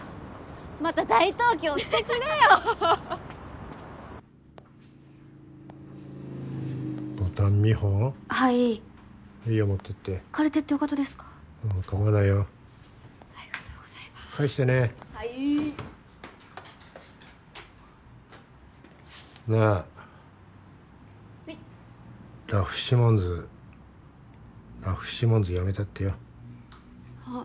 また「大東京」着てくれよボタン見本？はいいいいよ持ってって借りてってよかとですかうん構わないよありがとうございます返してねはいいなあはいラフ・シモンズラフ・シモンズやめたってよはっ？